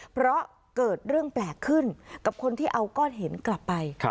เพราะเกิดเรื่องแปลกขึ้นกับคนที่เอาก้อนหินกลับไป